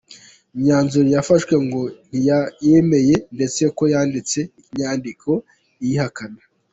Imyanzuro yafashwe ngo ntiyayemeye ndetse ko yanditse inyandiko iyihakana.